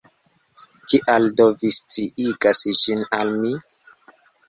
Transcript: Kial, do, vi sciigas ĝin al mi?